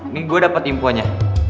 nih gue dapet imponnya